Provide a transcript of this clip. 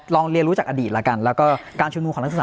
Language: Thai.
ลองเรียนรู้จากอดีตแล้วก็การชื่นมูลของนักศึกษา